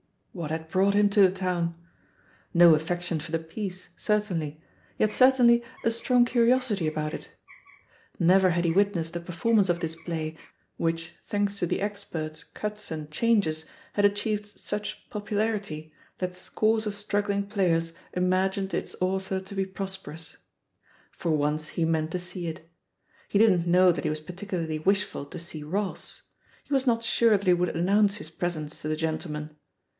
What had brought him to the town? No affection for the piece, certainly, yet certainly a strong curiosity about it. Never had he witnessed a performance of this play, which, thanks to the expert's cuts and changes, had achieved such popularity that scores of struggling players imagined its author to be prosperous. For once he meant to see it. He didn't know that he was particularly wishful to see Ross ; he was not sure that he would announce his pres ence to the gentleman.